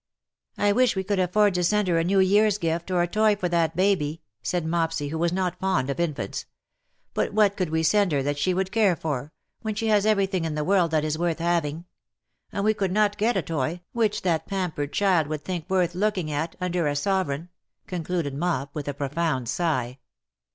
^^ I wish we could afford to send her a New' Yearns gift, or a toy for that baby,''^ said Mopsy, who was not fond of infants. " JBut what could we send her that she would care for, when she has every^ thing in this world that is worth haviug. And we could not get a toy, which that pampered child 87 would think worth looking at^ under a sovereign/^ concluded Mop, with a profound sigh.